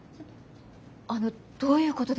あのどういうことですか？